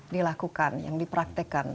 dilakukan yang dipraktekan